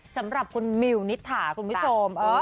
สำหรับคุณมิวนิษฐาคุณผู้ชม